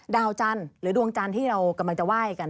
ดาวจันทร์หรือดวงจันทร์ที่เรากำลังจะไหว้กัน